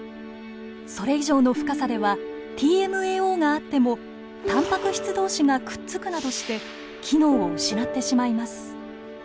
それ以上の深さではＴＭＡＯがあってもたんぱく質同士がくっつくなどして機能を失ってしまいます。